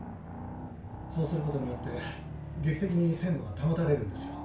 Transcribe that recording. そうすることによって劇的に鮮度が保たれるんですよ。